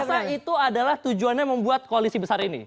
dan saya rasa itu adalah tujuannya membuat koalisi besar ini